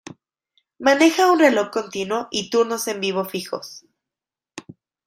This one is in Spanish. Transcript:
Maneja un reloj continuo y turnos en vivo fijos.